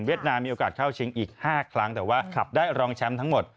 นามมีโอกาสเข้าชิงอีก๕ครั้งแต่ว่าได้รองแชมป์ทั้งหมด